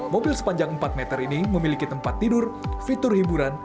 mobil sepanjang empat meter ini memiliki tempat tidur fitur hiburan